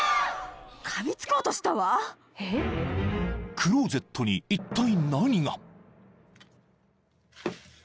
［クローゼットにいったい何が？］